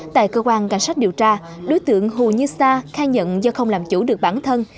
tại cơ quan cảnh sát điều tra đối tượng hồ như sa khai nhận do không làm chủ được bản thân